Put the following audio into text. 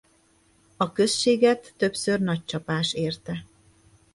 A községet többször nagy csapás érte.